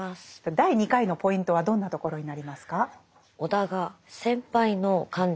第２回のポイントはどんなところになりますか？